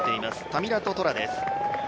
タミラト・トラです。